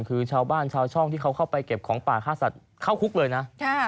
คือชาวบ้านชาวช่องที่เขาเข้าไปเก็บของป่าฆ่าสัตว์เข้าคุกเลยนะ